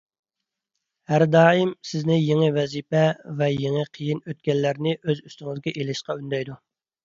ھەر دائىم سىزنى يېڭى ۋەزىپە ۋە يېڭى قىيىن ئۆتكەللەرنى ئۆز ئۈستىڭىزگە ئېلىشقا ئۈندەيدۇ.